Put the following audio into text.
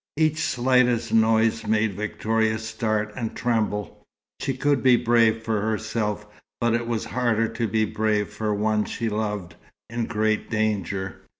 Each slightest noise made Victoria start and tremble. She could be brave for herself, but it was harder to be brave for one she loved, in great danger.